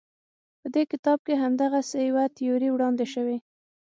په دې کتاب کې همدغسې یوه تیوري وړاندې شوې.